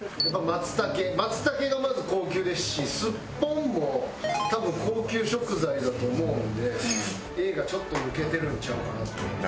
松茸がまず高級ですしスッポンも多分高級食材だと思うのでＡがちょっと抜けてるんちゃうかな。